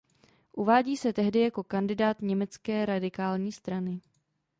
Uvádí se tehdy jako kandidát Německé radikální strany.